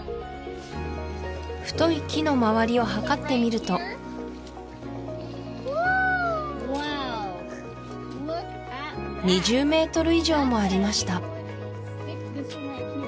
太い木のまわりを測ってみるとワーオワーオ２０ｍ以上もありました